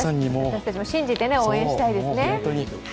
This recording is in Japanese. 私たちも信じて応援したいですね。